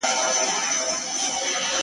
د ګاز لیک درک کړي او ژر اقدام وکړي